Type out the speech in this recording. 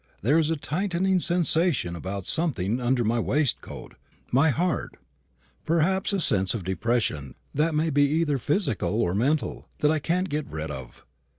There's a tightening sensation about something under my waistcoat my heart, perhaps a sense of depression that may be either physical or mental, that I can't get rid of.